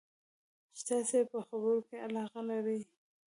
چې تاسې یې په خبرو کې علاقه لرئ.